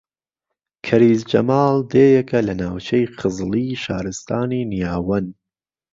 کەریز جەماڵ دێیەکە لە ناوچەی خزڵی شارستانی نیاوەن